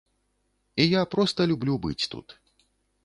І я проста люблю быць тут.